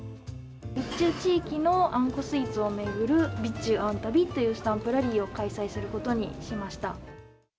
備中地域のあんこスイーツを巡る、備中あんたびというスタンプラリーを開催することにしました。